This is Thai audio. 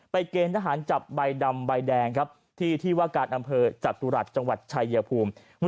เกณฑ์ทหารจับใบดำใบแดงครับที่ที่ว่าการอำเภอจตุรัสจังหวัดชายภูมิ